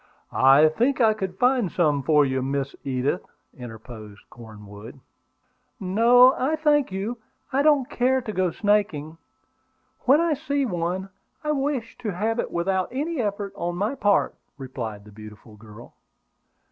"I think I could find some for you, Miss Edith," interposed Cornwood. "No, I thank you. I don't care to go snaking. When I see one I wish to have it without any effort on my part," replied the beautiful girl.